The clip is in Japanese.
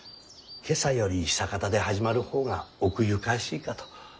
「今朝」より「久かた」で始まる方が奥ゆかしいかと。